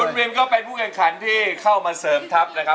คุณวิมก็เป็นผู้แข่งขันที่เข้ามาเสริมทัพนะครับ